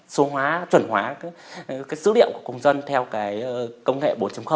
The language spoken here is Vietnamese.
số hóa chuẩn hóa cái dữ liệu của công dân theo cái công nghệ bốn